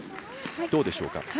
どうでしょうか。